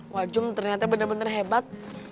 wajung ternyata bener bener hebat